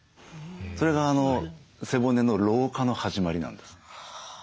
それが背骨の老化の始まりなんです。